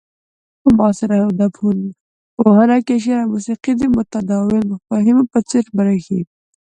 په معاصر ادب پوهنه کې شعر او موسيقي د متداول مفاهيمو په څير بريښي.